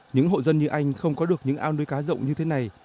những hộ dân như anh không có được những ao nuôi cá rộng như thế này